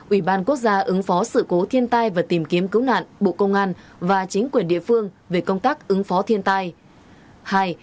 ủy ban quốc gia ứng phó sự cố thiên tai và tìm kiếm cứu nạn bộ công an và chính quyền địa phương về công tác ứng phó thiên tai